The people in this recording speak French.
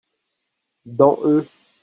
Dans eux.